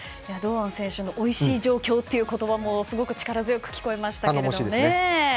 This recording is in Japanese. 堂安選手のおいしい状況って言葉もすごく力強く聞こえましたね。